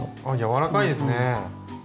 あっ柔らかいですね。